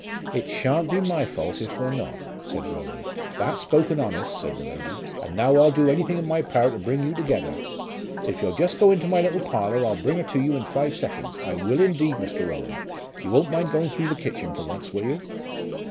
"It shan't be my fault if we're not," said Rowan. "That's spoken honest," said the lady; "and now I'll do anything in my power to bring you together. If you'll just go into my little parlour, I'll bring her to you in five seconds; I will indeed, Mr. Rowan. You won't mind going through the kitchen for once, will you?"